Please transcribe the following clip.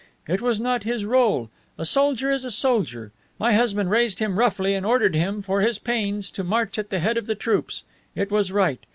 It was not his role. A soldier is a soldier. My husband raised him roughly and ordered him, for his pains, to march at the head of the troops. It was right.